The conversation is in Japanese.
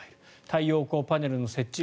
太陽光パネルの設置